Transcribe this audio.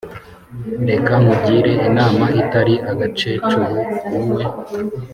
reka nkugire inama itari agakecuru, wowe